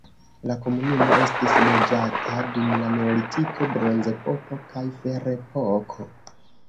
La komunumo estis loĝata dum la neolitiko, bronzepoko kaj ferepoko.